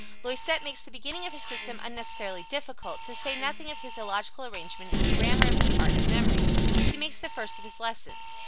Loisette makes the beginning of his system unnecessarily difficult, to say nothing of his illogical arrangement in the grammar of the art of memory, which he makes the first of his lessons.